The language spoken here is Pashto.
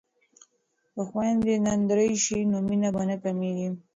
که خویندې نندرې شي نو مینه به نه کمیږي.